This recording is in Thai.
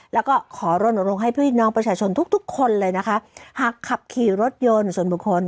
แล้วก็ขอรณรงค์ให้พี่น้องประชาชนทุกทุกคนเลยนะคะหากขับขี่รถยนต์ส่วนบุคคล